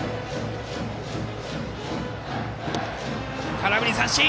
空振り三振。